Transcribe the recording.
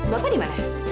bapak di mana